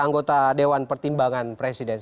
anggota dewan pertimbangan presiden